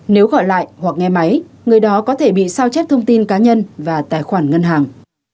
nếu gọi lại hoặc nghe máy người đó có thể bị sao chép thông tin cá nhân và tài khoản ngân hàng